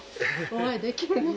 お会いできるの。